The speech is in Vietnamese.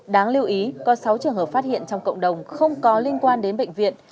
đáng lưu ý có sáu trường hợp phát hiện trong cộng đồng không có liên quan đến bệnh viện